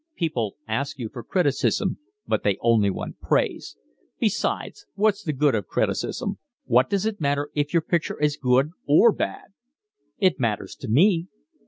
"People ask you for criticism, but they only want praise. Besides, what's the good of criticism? What does it matter if your picture is good or bad?" "It matters to me."